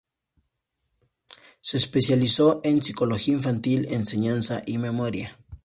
Se especializó en psicología infantil, enseñanza y memoria.